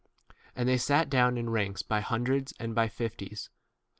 40 And they sat down in ranks by 41 hundreds and by fifties.